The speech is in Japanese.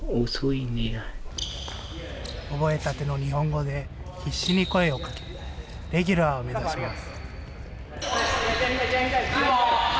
覚えたての日本語で必死に声をかけ、レギュラーを目指します。